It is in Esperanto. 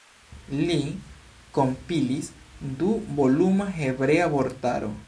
Li kompilis du-voluma hebrea vortaro.